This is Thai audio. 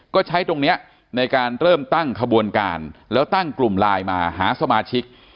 ก็ใช้ตรงนี้ในการเริ่มตั้งขบวนการแล้วตั้งกลุ่มไลน์มาหาสมาชิก